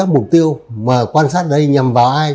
mục tiêu mà quan sát đây nhầm vào ai